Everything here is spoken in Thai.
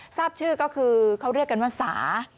ทราบชื่อก็คือเขาเรียกกันว่าสา